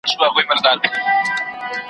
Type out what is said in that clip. هغه وويل چي انځورونه مهم دي